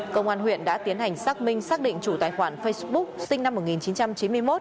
công an huyện đã tiến hành xác minh xác định chủ tài khoản facebook sinh năm một nghìn chín trăm chín mươi một